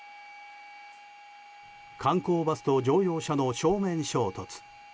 観光バスと乗用車の正面衝突。